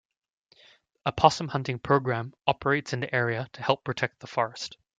A possum-hunting programme operates in the area to help protect the forest.